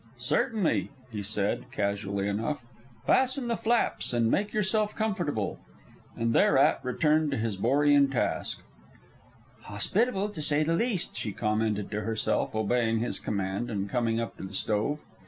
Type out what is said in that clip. "Certainly," he said, casually enough. "Fasten the flaps and make yourself comfortable." And thereat returned to his borean task. "Hospitable, to say the least," she commented to herself, obeying his command and coming up to the stove.